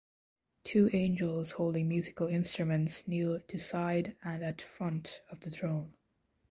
Two angels holding musical instruments kneel to side and at front of the throne.